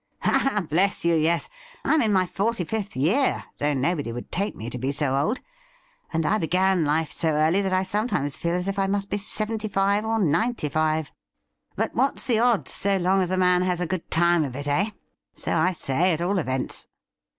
' Ah, bless you, yes ! I'm in my forty fifth year, though nobody would take me to be so old, and I began life so early that I sometimes feel as if I must be seventy five or ninety five. But what's the odds so long as a man has a good time of it, eh ? So I say, at all events.'